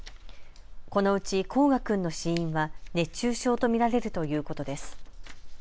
このうち煌翔君の死因は熱中症と見られるということです。